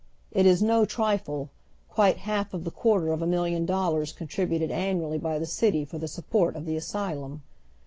It is no triile, quite half of the quarter of a million dollars eonti'ibuted annually by the city for tlie support of the asylum.